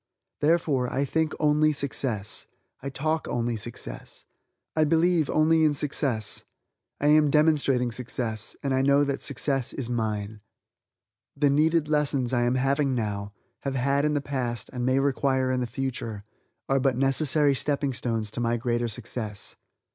Therefore, I think only success; I talk only success; I believe only in success; I am demonstrating success, and I know that success is mine. The needed lessons I am having now, have had in the past, and may require in the future, are but necessary stepping stones to my greater success.